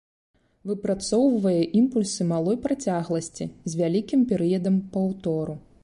Выпрацоўвае імпульсы малой працягласці з вялікім перыядам паўтору.